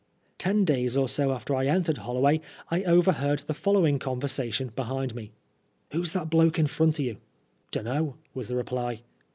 Ten days or so after I entered HoUoway I overheard the following conversa tion behind me :—" Who's that bloke in front o' you ?" "Dunno," was the reply.